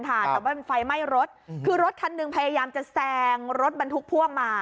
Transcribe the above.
แต่ว่ามันไฟไหม้รถคือรถคันหนึ่งพยายามจะแซงรถบรรทุกพ่วงมา